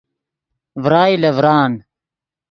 ڤرائے لے ڤران